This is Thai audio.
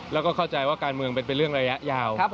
แล้วก็เข้าใจว่าการเมืองเป็นเรื่องระยะยาว